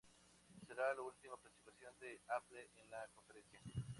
Será la última participación de Apple en la conferencia.